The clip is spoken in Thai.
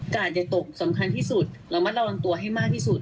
อย่าตกสำคัญที่สุดระมัดระวังตัวให้มากที่สุด